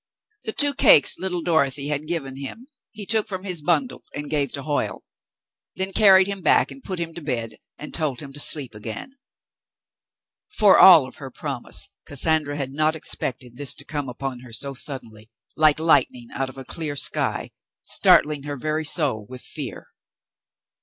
The two cakes little Dorothy had given him he took from his bundle and gave to Hoyle, then carried him back and put him to bed and told him to sleep again. For all of her promise, Cassandra had not expected this to come upon her so suddenly, like lightning out of a clear sky, startling her very soul with fear.